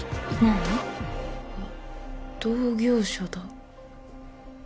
あっ同業者だ。